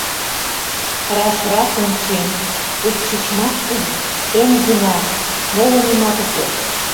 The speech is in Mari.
Рашрак ончем: укшичмаштем эм гына, моло нимат уке.